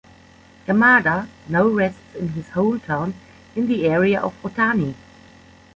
Yamada now rests in his hometown in the area of Otani.